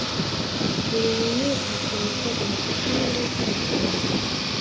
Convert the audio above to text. nilinyanyuka kuelekea chumbani kwangu kwenda kulala